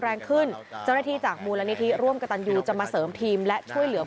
มะยุในเวียดนามแล้วอดเป็นห่วงพี่น้ออุบลราชทายนี